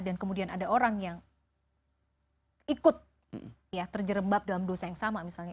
dan kemudian ada orang yang ikut terjerembab dalam dosa yang sama misalnya